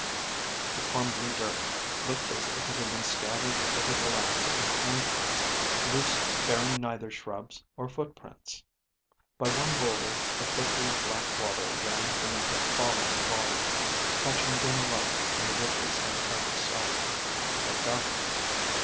The crumbly dirt looked as if it had been scattered over the land in handfuls, loosely, bearing neither shrubs or footprints. By one boulder a trickle of black water ran beneath a fallen log, catching dim light in the ripples on either side. He looked up.